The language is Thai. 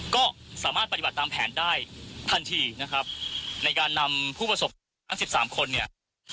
ก็สามารถปฏิบัติตามแผนได้ทันทีนะครับในการนำผู้ประสบทั้งสิบสามคนเนี่ย